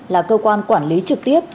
là cơ quan quản lý trực tiếp